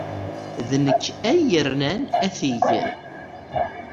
D nekk ay yernan atig.